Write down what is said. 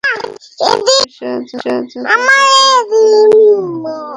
Police আজাদকে গুলি করে মারল, আবার মামলার বাদীও হলো সেই পুলিশ।